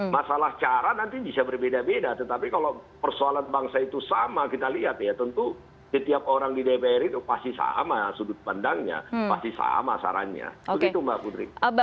masalah cara nanti bisa berbeda beda tetapi kalau persoalan bangsa itu sama kita lihat ya tentu setiap orang di dpr itu pasti sama sudut pandangnya pasti sama sarannya begitu mbak putri